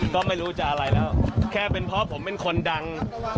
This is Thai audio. ก็ไม่รู้จะอะไรแล้วแค่เป็นเพราะผมเป็นคนดัง